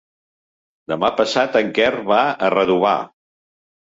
Demà passat en Quer va a Redovà.